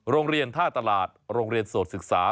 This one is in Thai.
โรงเรียนท่าตลาดโรงเรียนโสดศึกษา